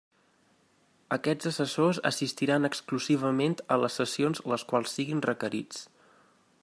Aquests assessors assistiran exclusivament a les sessions les quals siguin requerits.